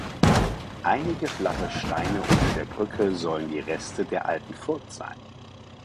Einige flache Steine unter der Brücke sollen die Reste der alten Furt sein.